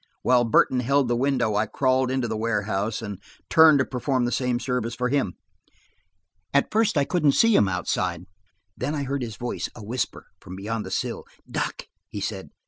While Burton held the window I crawled into the warehouse, and turned to perform the same service for him. At first I could not see him, outside. Then I heard his voice, a whisper, from beyond the sill. "Duck," he said.